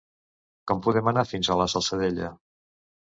Com podem anar fins a la Salzadella?